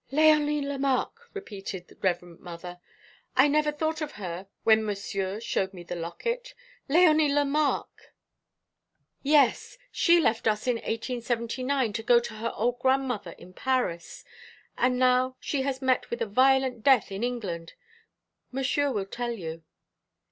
"Léonie Lemarque!" repeated the Reverend Mother. "I never thought of her when Monsieur showed me the locket. Léonie Lemarque! Yes, she left us in 1879 to go to her old grandmother in Paris. And now she has met with a violent death in England. Monsieur will tell you."